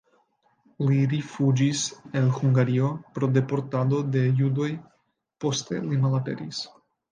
Li rifuĝis el Hungario pro deportado de judoj, poste li malaperis.